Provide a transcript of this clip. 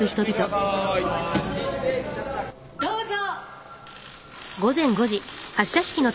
どうぞ！